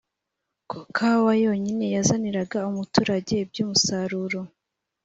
ko kawa yonyine yazaniraga umuturage by umusaruro